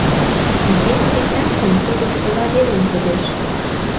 Эрдене лектат гын, тудо шола велым кодеш.